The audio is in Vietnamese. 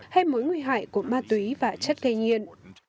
hay mối nguy hại của ma túy và chất gây nghiện